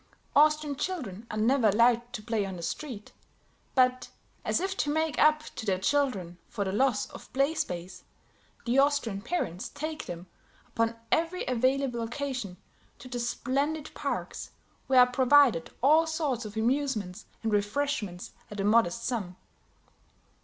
Austrian children are never allowed to play on the street; but, as if to make up to their children for the loss of play space, the Austrian parents take them, upon every available occasion, to the splendid parks where are provided all sorts of amusements and refreshments at a modest sum.